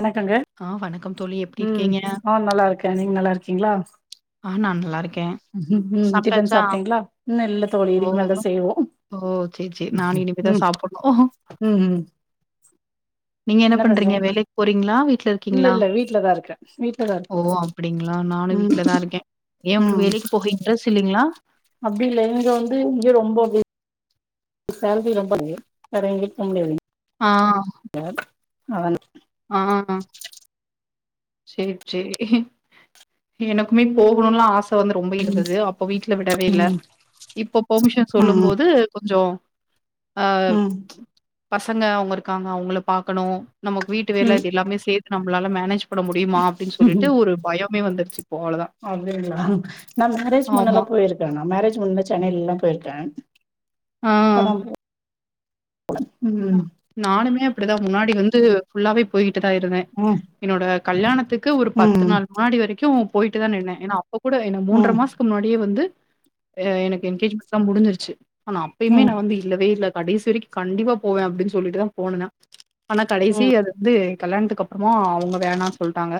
வணக்கங்க ஆ வணக்கம் தோழி எப்டி ம் இருக்கீங்க? ஆ நல்லா இருக்க நீங்க நல்லா இருக்கீங்களா ஆ நான் நல்லா இருக்கேன். டிஃபன் சாப்ட்டாச்சா? சாப்டிங்களா இன்னு இல்ல தோழி இதுக்கு மேல தா செய்வோ ஓ செரி செரி நானு இனிமேதா ம் சாப்புனு ஓ ம் ம் நீங்க என்ன பண்றீங்க வேலைக்கு போறீங்ளா வீட்ல இருக்கீங்களா இல்ல இல்ல வீட்லதா இருக்கே வீட்லதா ஓ இருக்கோ அப்டிங்ளா நானு வீட் ம் வீட்ல தா இருக்கே ஏ உங்களுக்கு வேலைக்கு போக இன்ட்ரஸ்ட் இல்லைங்ளா அப்டியில்ல இங்க வந்து இங்க ரொம்ப அப்டி ஃபேமிலி ரொம்ப அமே வேற எங்கயு போ முடியாதுங்க ஆ யார் அவ இனி ஆ செரி செரி எனக்குமே போகுலுன்லா ஆச ச வந்து ரொம்ப இருந்தது அப்போ வீட்ல விடவே இல்ல ம் இப்போ பர்மிஷன் சொல்லும் ம் போது கொஞ்சொ அ ம் பசங்க அவுங்க இருக்காங்க அவுங்கள பாக்கனு நமக் வீட்டு ம் வேல ம் இது எல்லாமே செத்து நம்பலால மேனேஜ் பண்ண முடியுமா அப்டின் ம் சொல்லிட்டு ஒரு பயமே வந்துருச்சி அப்டிங்களா நா மேரேஜ் ஆமா. முன்னல்லா போயிருக்க நா மேரேஜ் முன்ன சென்னையிலல்லா போயிருக்க ஆ. கெளம்பு நா நானுமே அப்டிதா முன்னாடி வந்து ஃபுல்லாவே போயிட்டு தா இருந்தே ம் ம் என்னோட கல்யாணத்துக்கு ஒரு பத்து ம் நாள் முன்னாடி வரைக்கு போயி்ட்டு தா நின்னா ஏனா அப்ப கூட என்ன ம் மூன்றமாச முன்னாடியே வந்து எனக்கு என்கேஜ்மென்ட்னா முடிஞ்சிருச்சு ஆனா அப்பயுமே ம் நா வந்து இல்லவே இல்ல கடைசி வரைக்கு கண்டிப்பா போவே அப்டின் சொல்லிட்டுதா போனனா ஆனா கடைசி ம் அது வந்து கல்யாணத்துக்கு அப்புறமா அவுங்க வேணா சொல்டாங்க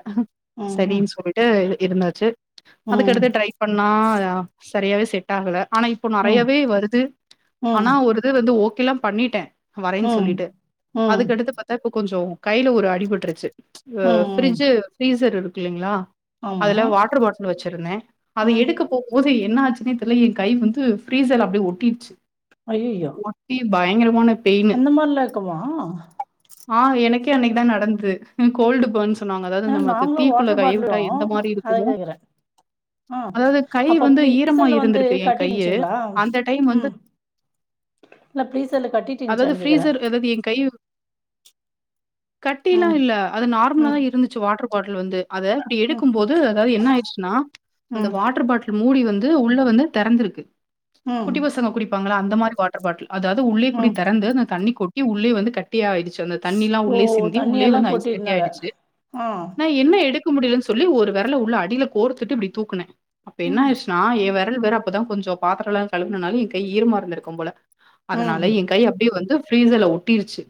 ம் ம் செரின் சொல்லி ட்டு இருந்தாச்சி அதுகடுத்து ம், ட்ரை பண்ணா அ சரியாவே செட்டே ஆகல ஆனா இப்போ ம், நெறையாவே வருது ஆனா ம், ஒருது வந்து ஓகேல்லா பண்ணிட்டே வரேன்னு ம், சொல்லிட்டு ம், அதுக்கடுத்து பாத்தா இப்ப கொஞ்சோ கையில ஒரு அடி பட்டுருச்சு ம், ம். ஃப்ரிட்ஜு ஃப்ரீஸர் இருக்கு இல்லைங்களா ஆமா. அதுல வாட்டர் பாட்டில் வச்சிருந்தே அத ம். எடுக்க போகு போதி என்ன ஆச்சுனே தெரியில எ கை வந்து ஃப்ரீசர்ல அப்டியே ஒட்டிடுச்சு ஐயய்யோ ஒட்டி பயங்கரமான பெயின். அந்த மாரிலா இருக்கமா ஆ எனக்கே அன்னைக்குதா நடந்தது கோல்டு பர்ன்ஸ் சொன்னாங்க அதாவது ஏன்னா நமக்கு நாங்களும் தீக்குள்ள வாட்டர் கையவிட்டா பாட்டிலும் எந்த மாரி அத இருக்குமோ கேட்குறேன். ஆ. அதாவது கை அப்ப வந்து ப்ளீ ஈரமா ப்ளீஸர்ல வந்து இருந்திருக்கு எ கட்டிட்டு கையு இருந்துச்சுங்களா? அந்த டைம் வந்து ம். இல்ல ப்ரீஸர்ல கட்டி அதாவது ஃப்ரீசர் அதாவது எ கை கட்டில்லா ம், இல்ல அது நார்மலா தா ம், இருந்துச்சு வாட்டர் பாட்டில் வந்து அத இப்டி ம், எடுக்கும்போது அதாவது என்ன ஆயிடுச்சுன்னா அந்த ம், வாட்டர் பாட்டில் மூடி வந்து உள்ள வந்து தெறந்திருக்கு ம், குட்டி பசங்க குடிப்பாங்களா அந்த மாரி வாட்டர் பாட்டில் அதாவது உள்ளே குடி ம். தெறந்து அந்த தண்ணி கொட்டி உள்ளே வந்து கட்ட ட்டி ஆயிடுச்சி அந்த தண்ணில்லா ஓ! உள்ளே சிந்தி உள்ளேயே தண்ணியெல்லாம் வந்து ஐஸ் கட்டிய கொட்டிருந்தாங்க. ஆயிடுச்சு ஆ. ந என்ன எடுக்க முடியலன்னு சொல்லி ஒரு வெரல உள்ள அடியில கோர்த்துட்டு இப்டி தூக்குனே அப்ப என்ன ம், ஆயிச்சுன்னா ஏ வெரல் வேற அப்பதா கொஞ்சோ பாத்தரலா கழுவுனால எ கை ஈரமா இருந்துருக்கும் போல ம். அதனால எ கை அப்டியே வந்து ஃப்ரீஸர்ல ஒட்டிருச்சு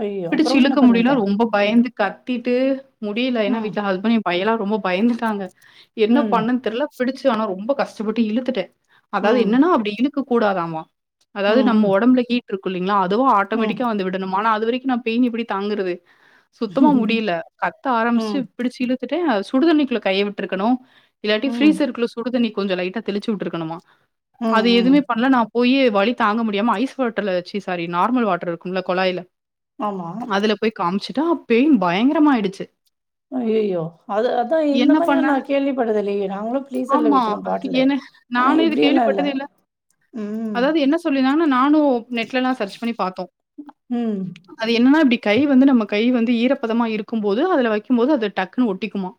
ஐயய்யோ! பிடிச்சு அப்புறம் என்ன இழுக்க முடியல பண்ணீங்க? ரொம்ப பயந்து கத்திட்டு முடியல ஏன்னா ம், வீட்டுல ஹஸ்பண்ட் எ பையெல்லா ரொம்ப பயந்துட்டாங்க என்ன ம், பண்ணன்னு தெரிலா பிடிச்சு ஆனா ரொம்ப கஷ்டப்பட்டு இழுத்துட்டே அதாவது ம், என்னன்னா அப்டி இழு க்க கூடாதாமா அதாவது நம்ம ம், ஒடம்புல ஹீ்ட் இருக்கு இல்லைங்களா அதுவு ம், ஆட்டோமேட்டிக்கா வந்து விடணும் ஆன அது வரைக்கு நா பெயின் எப்டி தாங்குறது சுத்தமா ம். முடியல கத்த ஆரம்பிச்சு ம் பிடிச்ச இழுத்துட்ட சுடு தண்ணிக்குள்ள கைய விட்டுருக்கணு இல்லாட்டி ம் ஃப்ரீசர்குள்ள சு சுடுதண்ணி கொஞ்சோ லைட்டா தெளிச்சு விட்டுருக்கணுமா ம் அது ம் எதுவுமே பண்ணல ந போய் வலி தாங்க முடியாம ஐஸ் வாட்டர்ல வச்சு சாரி நார்மல் வாட்டர் இருக்கும்ல கொழாய்ல ஆமா அதுல போய் காமிச்சுட்டா அப்ப பெயின் பயங்கரமாயிடுச்சு ஜயயோ அது அதா இந்த மாரிதா பண்ண நா கேள்விப்பட்டது இல்லையே நாங்களு ஃப்ரீசர்ல ஆமா வக்கிறோ பாட்டல என்ன நானு இது கேள்விப்பட்டதே இல்ல ம் அதாவது என்ன சொல்லினாங்கன்னா நானு நெட்லல்லாண சர்ச் பண்ணி பாத்தோ ம் அது என்னன்னா அப்படி கை வந்து அது என்ன நம்ம கை வந்து ஈரப்பதமா இருக்கும் போது அதுல வைக்கும் போது அது டக்குன்னு ஒட்டிக்குமா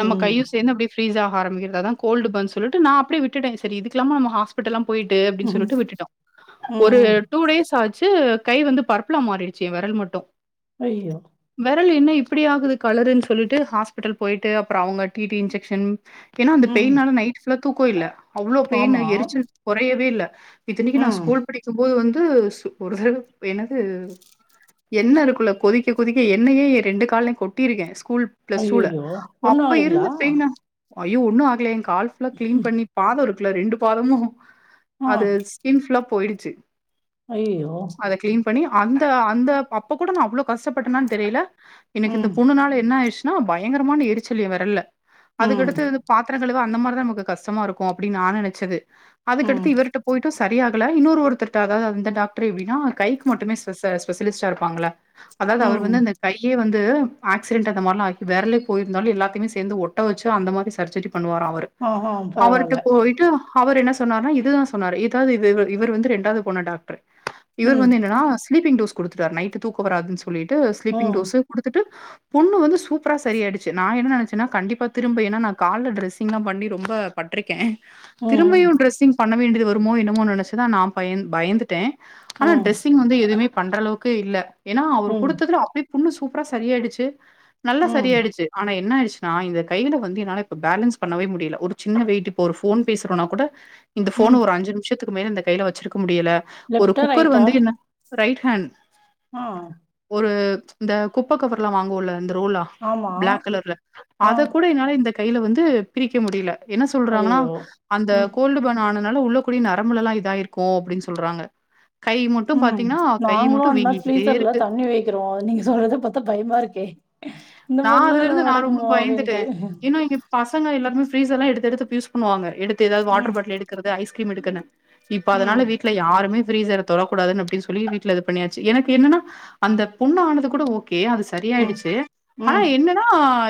நம்ம கைய சேந்து அப்டி ஃப்ரீஸ் ஆக ஆரம்பிக்குது அதா கோல்டு பர்ன்னு சொல்லிட்டு நா அப்டியே விட்டுட்டே சரி இதுக்குல்லாம நம்ம ஹாஸ் பிட்டல்லா போயிட்டு அப்டின்னு ம் சொல்லிட்டு விட்டுட்டோ ம் ஒரு ம் டூ டேஸ் ஆச்சு கை வந்து பர்ப்புலா மாறிடுச்சு எ வெரல் மட்டு ஐயோ வெரல் என்ன இப்டி ஆகுது கலருன்னு சொல்லிட்டு ஹாஸ்பிட்டல் போயிட்டு அப்புற அவுங்க டி டி இன்ஜெக்ஷன் ஏன்னா அந்த ம் பெயின்னால நைட் ஃபுல்லா தூக்கோயில்ல அவ்ளோ பெயின் ஆமா எரிச்சு குறையவே இல்லை இத்தன்னைக்கு நான் ம் ஸ்கூல் படிக்கும்போது வந்து சு ஒரு ஹெல்ப் என்னது எண்ணெ இருக்கோல்ல கொதிக்க கொதிக்க எண்ணெய்யே ஏ ரெண்டு கால்லயு கொட்டிருக்க ஸ்கூல் பிளஸ் டூல்ல ஐயையோ ஒண்ணு அப்ப ஆகலைங்களா இருந்தப்பெய்ன்னா ஐயோ ஒன்னும் ஆகல எ கால் ஃபுல்லா கிளீன் பண்ணி பாதோ இருக்குல ரெண்டு பாதமு ஆ அது ஸ்கின் ஃபுல்லா போயிடுச்சு அய்யய்யோ அத கிளீன் பண்ணி அந்த அந்த அப்ப கூட நான் அவ்ளோ கஷ்டப்பட்டேனான்னு தெரில எனக்கு இந்த ம் புண்ணுனால என்ன ஆயிச்சுன்னா பயங்கரமான எரிச்சலு என் வெரல்ல ம் அதுக்கடுத்து பாத்திரகழுவ அந்த மாரிதான் நமக்கு கஷ்டமா இருக்கும் அப்டின்னு நா நினைச்சது ம் அதுக்கடுத்து இவர்கிட்ட போய்ட்டும் சரியாகல இன்னொரு ஒரு த்துருட்டாத அந்த டாக்டர் எப்டின்னா கைக்கு மட்டுமே ஸ்பெஷ ஸ்பெஷலிஸ்ட்டா இருப்பாங்கல்ல அதாவது அவர் ம் வந்து அந்த கையே வந்து ஆக்சிடென்ட் அந்த மாரிலா ஆகி வெரலே போயிருந்தாலோ எல்லாத்தையுமே சேந்து ஒட்ட வச்சு அந்த மாரியு சர்ஜரி பண்ணுவாரா அவரு ஆ ஆ பரவால்ல அவருக்கு போயிட்டு அவர் என்ன சொன்னாருன்னா இதுதான் சொன்னாரு ஏதாவது இ இவர் வந்து ரெண்டாவது போன டாக்ட்ரு இவர் ம் வந்து என்னனா ஸ்லீப்பிங் டோஸ் குடுத்துட்டார் நைட்டு தூக்கோ வராதுன்னு சொல்லிட்டு ஸ்லீப்பிங் ம் டோஸ்ஸு குடுத்துட்டு புண்ணு வந்து சூப்பரா சரியாயிடுச்சு நா என்ன நெனச்சன்னா கண்டிப்பா திரும்ப ஏன்னா நா கால்ல டிரெஸ்ஸிங்லா பண்ணி ரொம்ப பட்ருக்க திரும்பயு ம் டிரெஸ்ஸிங் பண்ண வேண்டியது வருமோ என்னமோ நெனச்சுதா நா பய பயந்துட்ட ம் ஆனா ம் டிரெஸ்ஸிங் வந்து எதுவுமே பண்ற அளவுக்கு இல்ல ஏன்னா அவர் ம் குடுத்தது அப்டியே புண்ணு சூப்பரா சரியாயிடுச்சு நல்லா ம் சரியாயிடுச்சு ஆனா என்ன ஆயிடுச்சுனா இந்த கையில வந்து என்னால இப்ப பேலன்ஸ் பண்ணவே முடில ஒரு சின்ன வெயிட் இப்ப ஒரு ஃபோன் பேசுறோனா கூட இந்த ம் ஃபோன ஒரு அஞ்சு நிமிஷத்துக்கு மேல இந்த கையில வச்சிருக்க முடியல ஒரு லெஃப்ட்டா குக்கர் ரைட்டா வந்து என்ன ரைட் ஹேண்ட் ஆ ஒரு இந்த குப்பக் கவர்ல்லா வாங்குவோல இந்த ரோலா ஆமா பிளாக் கலர்ல ஆ அத கூட என்னால இந்த கையில வந்து பிரிக்க முடில என்ன சொல்றாங்ன்னா ஐயோ! அந்த ம், கோல்டு பன் ஆனதுனால உள்ள கூடிய நரம்புலல்லா இதாயிருக்கோ அப்டின்னு சொல்றாங்க கைமு ம் நாங்களு அந்த மாரி ஃப்ரீசர்ல இருக்கு. தண்ணி வைக்கிறோ நீங்க சொல்றத பாத்தா பயமா இருக்கே இந்த நா அதுல இருந்து மாரிலாம் நா ரொம்ப நடக்குமோ பயந்துட்டே அப்டின்ட்டு. ஏன்னா இங் பசங்க எல்லாருமே ஃப்ரீ்சர் எல்லா எடுத்து எடுத்து யூஸ் பண்ணுவாங்க எடுத்து எதாவது ம், வாட்டர் பாட்டில் எடுக்குறது ஐஸ்கிரீம் எடுக்கன்னு இப்ப ம், அதனால வீட்ல யாருமே ஃபிரீசர் தொடக்கூடாதுன்னு அப்டின்னு சொல்லி வீட்ல இது பண்ணியாச்சு எனக்கு என்னன்னா அந்தப் புண்ணு ஆனது கூட ஓகே அது ச ம், சரியாயிடுச்சு ஆனா ம். என்னன்னா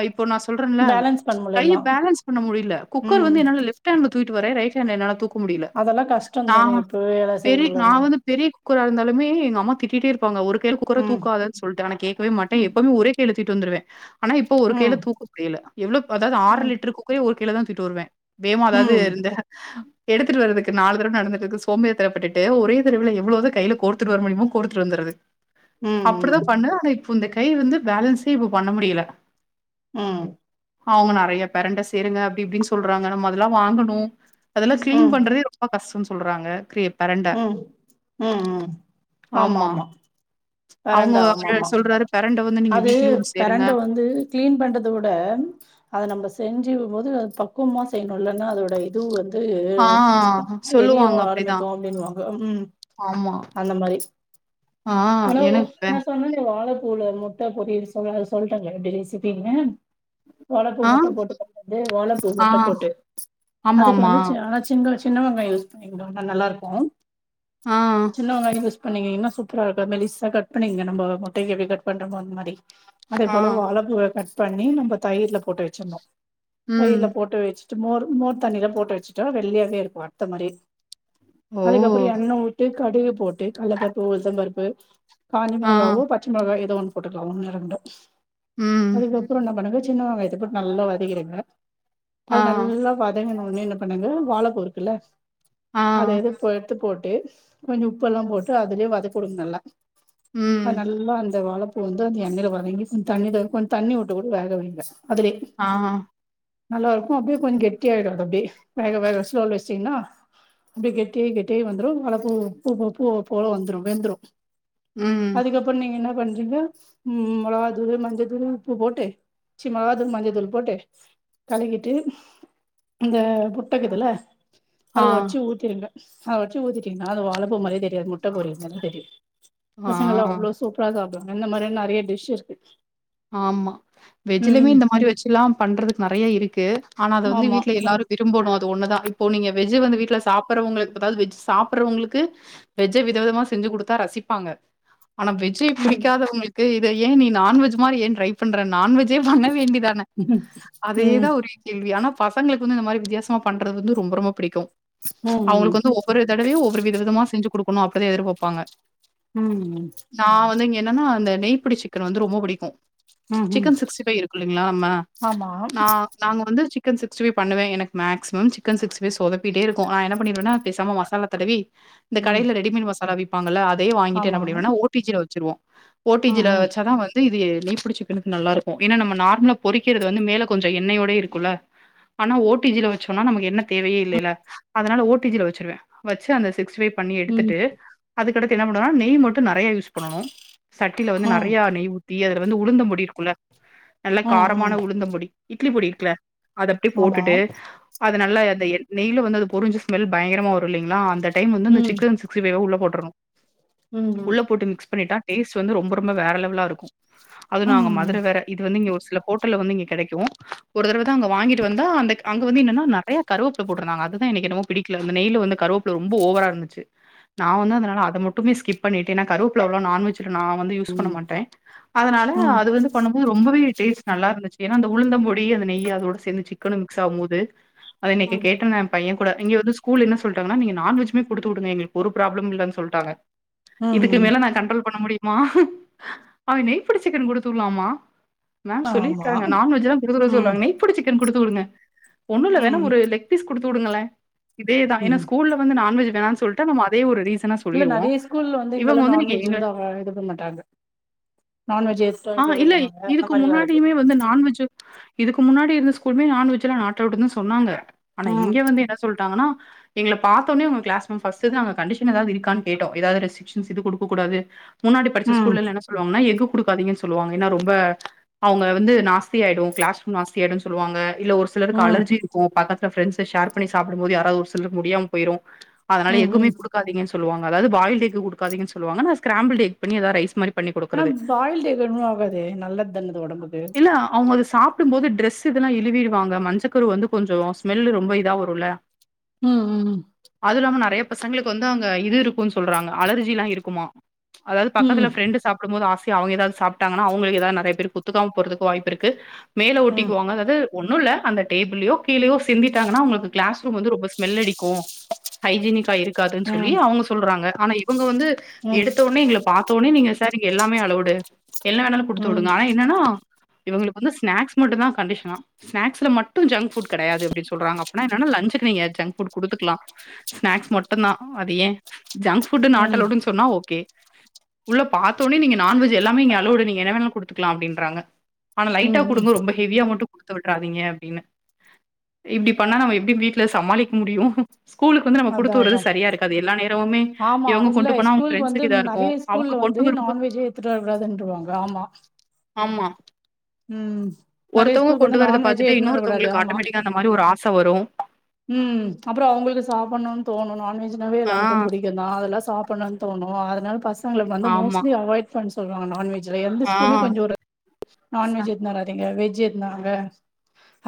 இப்போ நா சொல்றன்ல பேலன்ஸ் பண்ண முடில கைய எல்லாம். பேலன்ஸ் பண்ண முடில குக்கர் ம். வந்து என்னால லெஃப் ட் ஹாண்ட்ல தூக்கிட்டு வர ரைட் ஹாண்ட்ல என்னால தூக்க முடில அதெல்லா கஷ்ட்டோந் தானே இப்பவே வேல செய்ய முல்லன்னா நான் வந்து பெரிய குக்கரா இருந்தாலுமே எங்க அம்மா திட்டிட்டே இருப்பாங்க ஒரு கையில குக்கர ம், தூக்காத சொல்ட்டு ஆனா கேக்கவே மாட்ட ம், எப்பவுமே ஒரே இழுத்திட்டு வந்துருவே ஆனா இப்ப ஒரு கையில ம், தூக்கமுடில எவ்ளோ அதாவுது ம், ஆறலிட்ரு குக் கரே ஒரு கையில தா தூக்கிட்டு வருவே வேமா அதாவது ம், எடுத்துட்டு வரதுக்கு நாலு விருந்து நடந்துட்ருக்கு சோம்பேரித்தனப்பட்டுட்டு ஒரே தரவைல எவ்ளோத கையில கோர்த்துட்டு வர முடியமோ கோர்த்துட்டு வந்துறது ம், அப்டிதா ம், பண்ணுவ ஆனா இப்ப இந்த கை வந்து பேலன்ஸே இப்ப பண்ண முடில ம் அவுங்க நறைய பெரண்ட சேருங்க அப்டி இப்டின்னு சொல்றாங்க நம்ம அததெல்லா வாங்கணு அதெல்லா கிளீன் ம், பண்றதே ரொம்ப கஷ்ட்டோ சொல்றாங்க கிரியேட் ம் ம் ம் ஆமா ஆமா அவங்க பெரண்ட ஆமா அவரு ஆமா சொல்றாரு பெரண்ட வந்து நீங்க அது வீக்லி ஒன்ஸ் சேருங்க பெரண்ட வந்து கிளீன் பண்றதவுட அத நம்ம செஞ்சு போது பக்குவமா செய்யணு இல்லன்னா அதோட இது வந்து ஆ சொல்லுவாங்க எரியவு அப்டிதா ஆரம்பிக்கு அப்டின்னுவாங்க ஆமா அந்த மாரி ஆ எனக்கு நா சொன்னனே வாழப்பூல மு ட்ட பொரியல் சொல் சொல்ட்டாங்ளா எப்டி ரெசிப்பின்னு வாழப்பூ ஆ முட்டப் போட்டு பண்றது வாழப்பூ ஆ முட்டப் போட்டு அதுக்கு ஆமாமா வந்து சி ஆனா [unintelligible] சின்ன வங்காயோ யூஸ் பண்ணிங்கோங்க நல்லாருக்கு ஆஹ் சின்ன வெங்காயோ யூஸ் பண்ணீங்கன்னா சூப்பரா இருக்கு. மெலிசா கட் பண்ணிக்குங்க நம்ம முட்டைக்கு எப்டி கட் பண்றோமோ அந்த மாரி அதே ஆ போல வாழப்பூவ கட் பண்ணி நம்ம தயிரில போட்டு வச்சிர்ணு ம் தயிர்ல போட்டு வச்சு மோர் மோர் தண்ணியிலப் போட்டு வச்சுட்டா வெள்ளையாவே இருக்கு அறுத்த மாரியே ஓ அதுக்கப்புறோ எண்ண வுட்டு கடுகு போட்டு கல்லப்பருப்பு உளுந்தம்பருப்பு காஞ்சி ஆ மிளகாவோ, பச்ச மிளகாயோ ஏதோ ஒண்ணு போட்டுக்கலா ஒன்னு ரெண்டோ ம் அதுக்கப்புறோ என்ன பண்ணுவாங்க சின்னவெங்காயத்த போட்டு நல்லா வதக்கிறுங்க அது ஆ நல்லா வ வதங்கனுன்னே என்ன பண்ணணு வாழைப்பூருக்குல்ல ஆ அத எடுத் சோ எடுத்து போட்டு கொஞ்சோ உப்பெல்லா போட்டு அதுலயே வதக்கனு நல்லா ம் அஹ் நல்லா அந்த வாழப் பூ வந்து அந்த எண்ணயில வதங்கி கொஞ்சோ தண்ணி கொஞ்சோ தண்ணி விட்டு கூட வேக வைங்க அதுலே ஆ நல்லாருக்கு அப்டியே கொஞ்சோ கெட்டி ஆயிடு அப்டியே வேக வேக ஸ்லோல வச்டீங்ன்னா அப்டியே கெட்டியாயி கெட்டியாயி வந்துரு வாழ பூ பூ பூ போல வந்துரு வெந்துரு ம் அதுக்கப்புறோ நீங்க என்ன பண்றீங்க உம் மொளகாதூளு மஞ்சதூளு உப்பு போட்டு சி மொளகாதூள் மஞ்சள் தூள் போட்டு கழுவிட்டு இந்த முட்டக்குதுல அத ஆ வச்சு ஊத்திருங்க அத வச்சு ஊத்திட்டீங்கன்னா அது வாழபூ மாரியே தெரியாது முட்ட பொரியல் மாரி தெரியு பசங்கல்லா ஆ அவ்ளோ சூப்பரா சாப்டுவாங்க இந்த மாரி நிறைய டிஷ் இருக்கு ஆமா வெஜ்லயுமே ம் இந்த மாரி வச்சுல்லா பண்றதுக்கு நிறைய இருக்கு ஆனா அத வந்து ஆமா வீட்டுல எல்லாரு விரும்பணு அது ஒண்ணுதா இப்போ நீங்க வெஜ்ஜு வந்து வீட்டுல சாப்புறவங்களுக்கு அதாது வெஜ் சாப்பிறவங்களுக்கு வெஜ்ஜ வித விதமா செஞ்சு கொடுத்தா ரசிப்பாங்க ஆனா வெஜ் வெஜ்ஜே ம் பிடிக்காதவங்களுக்கு இத ஏ நீ நான்வெஜ் மாரி ஏ ட்ரை பண்ற நான்வெஜ் ஜே பண்ண வேண்டிதானே ம் ம் அதேதா ஒரு கேள்வி ஆனா பசங்களுக்கு வந்து இந்த மாரி வித்தியாசமா பண்றது வந்து ரொம்ப ரொம்ப பிடிக்கு ம் அவங்களுக்கு வந்து ஒரு ஒரு தடவயு ஒவ்வொரு வித விதமா செஞ்சு கொடுக்கணு அப்டி தா எதிர்பாப்பாங்க உம் உம் நா வந்து இங்க என்னன்னா அந்த நெய் பிடி சிக்கன் வந்து ரொம்ப பிடிக்கு ம் ம் சிக்கன் சிக்ஸ்டி ஃபைவ் இருக்குல்லிங்களா நம்ம ஆமா நா நாங்க வந்து சிக்கன் சிக்ஸ்டிஃபை பண்ணுவே எனக்கு மேக்சிமம் சிக்கன் சிகஸ்டி ஃபை சொதப்பிட்டே இருக்கு நா என்ன பண்ணிருவேனா பெசாமா மசாலா தடவி இந்த ம் கடையில ரெடிமேட் மசாலா விப்பாங்கள்ல அதயே வாங்கிட்டு என்ன ஆமா பண்ணிருவேன்னா ஓடிஜியில வச்சிருவோ ம் ஓடிஜியில ம் வச்சா தா வ ந்து இது நெய் பிடிச் சிக்கனுக்கு நல்லா இருக்கு ஏன்னா நம்ம நார்மலா பொறிக்கிறது வந்து மேல கொஞ்சோ எண்ணெயோடே இருக்குல்ல ஆனா ஓடிஜில வச்சோம்னா நமக்கு எண்ண தேவையே இல்லல்ல அதனால ஓடிஜில வச்சிருவே வச்சு அந்த சிக்ஸ்டிஃபை பண்ணி ம் ம் எடுத்துட்டு அதுக்கடுத்து என்ன பண்ணுனா நெய் மட்டு நிறைய யூஸ் பண்ணனு சட்டியில ம் வந்து ம் நிறைய நெய் ஊத்தி அதுல வந்து உளுந்தம்பொடி இருக்குல்ல நல்ல காரமான உளுந்தம்பொடி இட்லி பொடி இருக்குல அத அப்டியே ஆமா போட்டுட்டு அது நல்ல நெய் வந்துது பொரிஞ்சு ஸ்மெல் பயங்கரமா வரும் இல்லைங்களா அந்த டைம் வந்து ம் சிக்கன் சிக்ஸ் சிக்ஸ்டி ஃபை உள்ளே போட்டுணும் ம் ம் உள்ள போட்டு மிக்ஸ் பண்ணிட்டா டேஸ்ட் வந்து ரொம்ப ரொம்ப வேற லெவலா இருக்கும் அது ம் நாங்க ம் மதுரை வேற இது வந்து இங்க ஒரு சில ஹோட்டல்ல வந்து இங்க கிடைக்கும் ஒரு தடவ தான் அங்க வாங்கிட்டு வந்தா அந்த அங்க வந்து என்னன்னா நிறையா கருவேப்பில போட்டிருந்தாங்க அதுதான் எனக்கு என்னமோ பிடிக்கல அ நெய் வந்து கருவேப்பப்புல ரொம்ப ஓவரா இருந்துச்சு நான் வந்து அதனால அத மட்டுமே ஸ்கிப் பண்ணிட்டு ஏனா கருவேப்புல அவ்வளவு நான்வெஜ்ல நான் வந்து யூஸ் பண்ண மாட்டேன். அதனால ம் அது வந்து பண்ணும் ரொம்பவே டேஸ்ட் நல்லா இருந்துச்சு ஏன்னா அந்த உளுந்தம்ப பொடி அந்த நெய் அதோட சேர்ந்து சிக்கனும் மிக்ஸ் ஆவும்போது அத இன்னைக்கு கேட்டனே பையன் கூட இங்க வந்து ஸ்கூல் என்ன சொல்லிட்டான்னா நீங்க நான்வெஜ்ஜிமே குடுத்து விடுங்க எங்களுக்கு ஒரு ப்ராப்ளம் இல்லைனு சொல்லிட்டாங்க. இதுக்கு ம் மேல நான் கண்ட்ரோல் பண்ண முடியுமா அவன் நெய் போட்டு சிக்கன் குடுத்து விடுலாம் மா மேம் ஆமா சொல்லியிருக்காங்க நான்வெஜ்லாம் கொடுக்க ம் சொல்லுவாங்க நெய் போட்ட சிக்கன் குடுத்து விடுங்க ஒண்ணு இல்ல வேணா ம் ஒரு லெக் லெக் பீஸ் குடுத்து விடுங்களேன் இதேதான் என்ன ம் ஸ்கூல்ல வந்து நான்வெஜ் வேணாம்னு சொல்லிட்ட நம்ம அதே ஒரு ரீசன சொல்ல இல்ல நிறைய ஸ்கூல்ல வந்து இங்கல்லாம் நான்வெஜ் வந்து இது பண்ண மாட்டாங்க நான்வெஜ் ஆ இல்ல எடுத்துட்டுவாங்க அந்த இதுக்கு மாரிலா இருக்கு முன்னாடியுமே வந்து நான்வெஜ் இதுக்கு முன்னாடி இருந்த ஸ்கூலுமே நான்வெஜ் எல்லாம் நாட்ட அலோடுன்னு சொன்னாங்க ஆனா இங்க ம் வந்து என்ன சொல்லிட்டாங்கன்னா எங்கள பார்த்தவுடனே அவங்க கிளாஸ் ஃபர்ஸ்ட் தான் கண்டிஷன் ஏதாவது இருக்கான்னு கேட்டோம் ஏதாவது ரெசி இது குடுக்கக்க கூடாது முன்னாடி படிச்ச ம் ஸ்கூல்ல என்ன சொல்லுவாங்கன்னா எஃக்கு குடுக்காதீங்கன்னு சொல்லுவாங்கன்னா ரொம்ப அவங்க வந்து நாஸ்தி ஆயிடும் கிளாஸ் ரூம் நாஸ்தி ஆயிடும் சொல்லுவாங்க இல்ல ஒரு சிலருக்கு ம் அலர்ஜி இருக்கும் பக்கதுல பிரண்ட்ஸ் ஷேர் சாப்பிடும்போது யாராவது ஒரு சில முடியாம போயிரும். அதனால ம் எக்குமே ம் குடுக்காதிங்னு சொல்லுவாங்க அதாவது பாயில்டு எக் கொடுக்காதங்கன்ன சொல்லுவாங்க ஸ்கராம்பிடு எக் பண்ணி ஏத ரைஸ் மாறி பண்ணி குடுக்குறது. ஆனா பாயில்டு எஃகு ஒன்னு ஆகாதே நல்லது தான அது உடம்புக்கு அவங்க அதா சாப்பிடும் போது ட்ரெஸ் இதெல்லாம் இழுவிடுவாங்க மஞ்சக்கரு வந்து கொஞ்சம் ஸ்மெல் ரொம்ப இதா வரும்ல ம் ம் ம் அது இல்லாம நிறைய பசங்களுக்கு வந்து அவங்க இது இருக்கும்ன்னு சொல்றாங்க அலர்ஜி எல்லாம் இருக்குமா அதாவது பக்கத்து ம் ஃப்ரண்டு சாப்பிடும் போது ஆச அவங்க ஏதாவது சாப்பிட்டாங்கன்னா அவங்களுக்கு ஏதாவது நிறைய பேருக்கு ஒத்துக்காம போறதுக்கு வாய்ப்பு இருக்கு மேல ம் ஒட்டிவாங்க அதாது ஒண்ணும் இல்ல அந்த டேபிளயோ கீழேயோ சிந்தட்டாங்கன்னா அவங்களுக்கு கிளாஸ் ரூம் வந்து ரொம்ப ஸ்மெல் அடிக்கும் ஹைஜீனிக்கா இருக் காதுன்னு சொல்லி ம் அவங்க சொல்றாங்க ஆனா இவங்க வந்து ம் எடுத்த உடனே எங்களை பாத்த உடனே நீங்க சார் இங்க எல்லாமே அலவுட் என்னா வேணாலும் குடுத்து ம் விடுங்க ஆனா என்னன்னா இவங்களுக்கு வந்து ஸ்நாக்ஸ் மட்டும் தான் கண்டிஷனா ஸ்க்ஸ்ல மட்டும் ஜங்க் ஃபுட் கிடையாது அப்படின்னு சொல்றாங்க அப்படின்னா என்னனா லஞ்சுக்கு நீங்க ஜங்க் ஃபுட் குடுத்துகலாம் ஸ்நாக்ஸ் மட்டும்தான் அது ஏன் ஜங்க் ஃபுட் நாட் ம் அலாவுடுன்னு சொன்னா ஓகே உள்ள பாத்தோடனே நீங்க நான்வெஜ் எல்லாமே இங்க அலொவுடு நீங்க என்ன வேணா குடுத்துக்கலாம் அப்படிங்கிறாங்க ஆ லைட்டா ம் ம் குடுங்க ரொம்ப ஹெவியா மட்டும் குடுத்து விட்டுறாதீங்க அப்படின்னு இப்படி பண்ணா நம்ம எப்படி வீட்டுல சமாளிக்க முடியும் ஸ்கூலு வந்து நம்ம அதா குடுத்து விடுறது அதா சரியா இருக்காது எல்ல நேரமே ஆமா இவங்க இல்ல கொண்டு போனா அவங்க ஸ்கூலுக்கு வந்து ரெண்ட்ஸுக்கு இதா இருக்கும் நெறைய ஸ்கூல்ல வந்து நான்வெஜ்ஜெ எத்துட்டு வர கூடதுன்றவாங்க ஆமா ஆமா ம் நெறைய ஒருத்தவங்க ஸ்கூலுக்கு வந்து கொண்டு வரத நான்வெஜ்ஜே பாத்துட்டு எடுத்துனு வரக்கூடாது இன்னொருத்தவங்களுக்கு ஆமா ஆட்டோமேட்டிக்கா அந்த மாறிஒரு ஆச வரும் ம் அப்புறம் அவங்களுக்கு சாப்பிட்ணும்னு தோணும் நான்வெஜ்னாவே ஆ எல்லாருக்கும் புடிக்கும் தான் அதெல்லாம் சாப்பிடனும் தோணும் அதனால பசங்கள வந்து ஆமா மோஸ்ட்லி அவாய்ட் பண்ண சொல்வாங்க நான்வெஜ் எந்த ஆ ஸ்கூமே கொஞ்சம் ஒரு ச நான்வெஜ் எடுத்துன்னு வராதீங்க வெஜ் எடுத்துன்னு வாங்க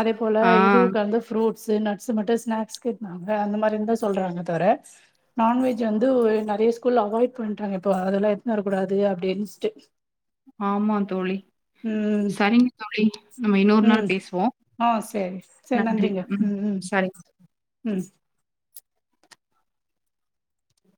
அதே போல ஆ இதுவு கந்த ஃப்ரூட்ஸ்ஸு நட் ஸ் மட்டும் ஸ்னாக்ஸ் கேட்னாங்க அந்த மாரி இருந்தா சொல்றாங்க தர நான்வெஜ் வந்து நெறைய ஸ்கூல்ல அவாய்ட் பண்றாங்க இப்போ அதலெல்லா எட்ன்னு வரக்கூடாது அப்டின்ஸ்ட்டு ஆமாங் தோழி ம் சரிங்க தோழி நம்ம இன்னொரு ம் நாள் பேஸ்வோ ஆ சரி சர் நன்றிங்க ம் ம் சரி ம்